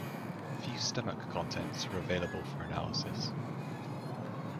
Few stomach contents were available for analysis.